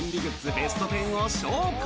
ベスト１０を紹介！